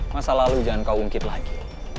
masa lalu jangan kau ungkit lagi